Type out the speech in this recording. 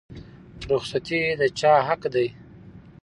رخصتي د چا حق دی؟